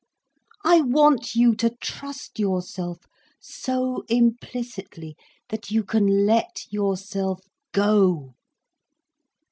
I want you to trust yourself so implicitly, that you can let yourself go."